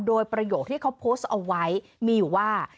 โดยประโยคที่เขาโพสต์เอาไว้มีอยู่ว่า